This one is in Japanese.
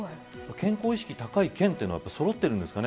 健康意識が高い県はそろっているんですかね。